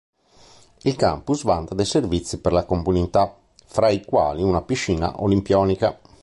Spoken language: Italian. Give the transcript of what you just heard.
Il campus vanta dei servizi per la comunità fra i quali una piscina olimpionica.